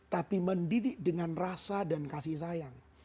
tapi mendidik dengan rasa dan kasih sayang